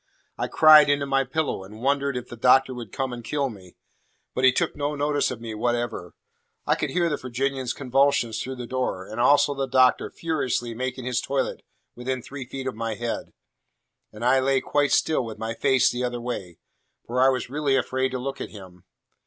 I cried into my pillow, and wondered if the Doctor would come and kill me. But he took no notice of me whatever. I could hear the Virginian's convulsions through the door, and also the Doctor furiously making his toilet within three feet of my head; and I lay quite still with my face the other way, for I was really afraid to look at him.